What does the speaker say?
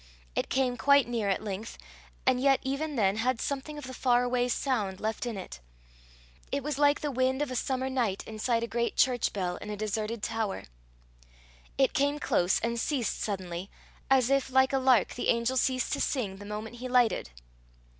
It came quite near at length, and yet even then had something of the far away sound left in it. It was like the wind of a summer night inside a great church bell in a deserted tower. It came close, and ceased suddenly, as if, like a lark, the angel ceased to sing the moment he lighted.